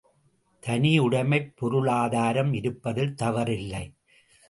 தனி உடைமைப் பொருளாதாரம் இருப்பதில் தவறில்லை.